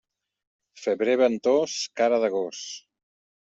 Febrer ventós, cara de gos.